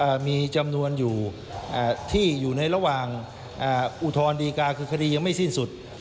มีจำนวนอยู่อ่าที่อยู่ในระหว่างอ่าอุทธรณดีการคือคดียังไม่สิ้นสุด